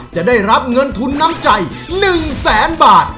จะได้รับเงินทุนน้ำใจ๑แสนบาท